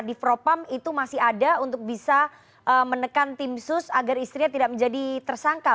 di propam itu masih ada untuk bisa menekan tim sus agar istrinya tidak menjadi tersangka